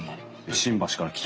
新橋から来て？